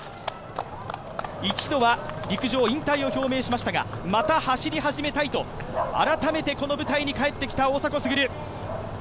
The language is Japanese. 一度は陸上引退を表明しましたがまた走り始めたいと改めてこの舞台に帰ってきた大迫傑。